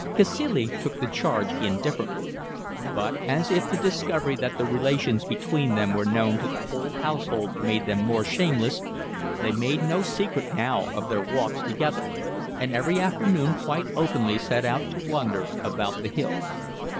Cacilie took the change indifferently. But as if the discovery that the relations between them were known to the whole household made them more shameless, they made no secret now of their walks together, and every afternoon quite openly set out to wander about the hills.